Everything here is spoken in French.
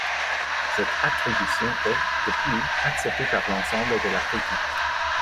Cette attribution est, depuis, acceptée par l'ensemble de la critique.